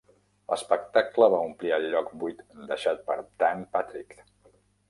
L'espectacle va omplir el lloc buit deixat per Dan Patrick.